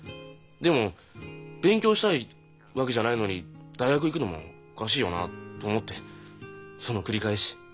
でも「勉強したいわけじゃないのに大学行くのもおかしいよなあ」と思ってその繰り返し。